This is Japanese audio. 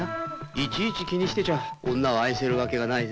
いちいち気にしてちゃ女を愛せるわけがないぜ。